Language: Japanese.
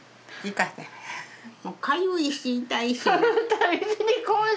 かゆいし痛いし。